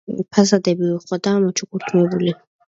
ფასადები უხვადაა მოჩუქურთმებული.